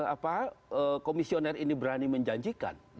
apa komisioner ini berani menjanjikan